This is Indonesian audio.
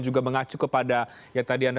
juga mengacu kepada yang tadi anda